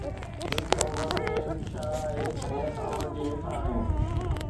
وچ اوڀر ۾ انتشار آهي ۽ اسان ان جي هيٺان آهيون.